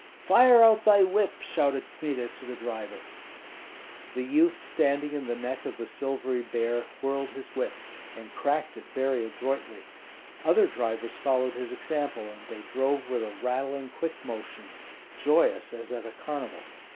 "Fire out thy whip!" shouted Kmita to the driver. The youth standing in the neck of the silvery bear whirled his whip, and cracked it very adroitly; other drivers followed his example, and they drove with a rattling, quick motion, joyous as at a carnival.